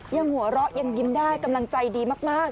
หัวเราะยังยิ้มได้กำลังใจดีมาก